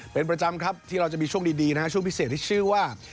เป็นประจำครับที่เราจะมีช่วงดีนะฮะช่วงพิเศษที่ชื่อว่า